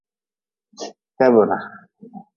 Tebre.